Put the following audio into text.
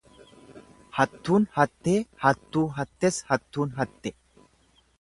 Hattuun hattee hattuu hattes hattuun hatte.